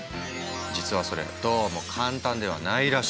実はそれどうも簡単ではないらしい。